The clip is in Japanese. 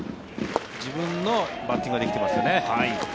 自分のバッティングができてますよね。